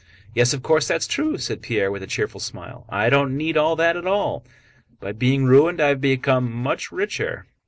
"Yes, of course that's true," said Pierre with a cheerful smile. "I don't need all that at all. By being ruined I have become much richer."